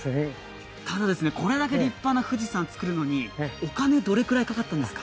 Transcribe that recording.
これだけ立派な富士山を作るのにお金、どれくらいかかったんですか？